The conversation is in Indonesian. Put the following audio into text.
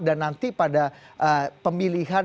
dan nanti pada pemilihan